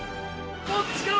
こっちの。